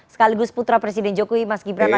sekaligus putra presiden jokowi mas gibran raka